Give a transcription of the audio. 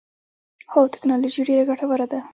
هو، تکنالوجی ډیره ګټوره ده